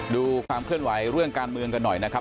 ดูความเคลื่อนไหวเรื่องการเมืองกันหน่อยนะครับ